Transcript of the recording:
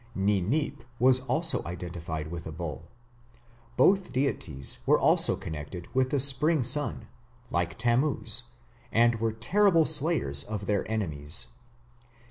Ninip was also identified with the bull. Both deities were also connected with the spring sun, like Tammuz, and were terrible slayers of their enemies.